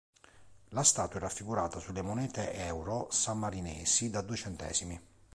La statua è raffigurata sulle monete euro sammarinesi da due centesimi.